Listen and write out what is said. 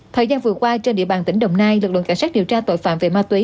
thời gian vừa qua trên địa bàn tỉnh đồng nai lực lượng cảnh sát điều tra tội phạm về ma túy